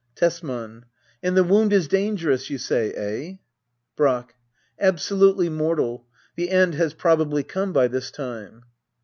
Tesman. And the wound is dangerous, you say — eh } Brack. Absolutely mortal. The end has probably come by this time.